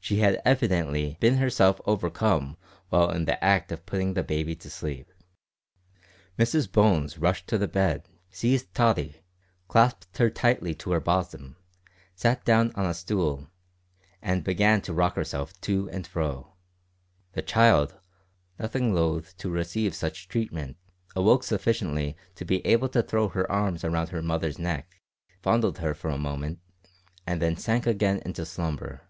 She had evidently been herself overcome while in the act of putting the baby to sleep. Mrs Bones rushed to the bed, seized Tottie, clasped her tightly to her bosom, sat down on a stool, and began to rock herself to and fro. The child, nothing loath to receive such treatment, awoke sufficiently to be able to throw her arms round her mother's neck, fondled her for a moment, and then sank again into slumber.